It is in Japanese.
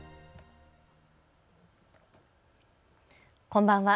こんばんは。